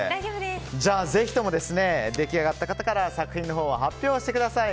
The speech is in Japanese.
ぜひとも出来上がった方から作品のほうを発表してください。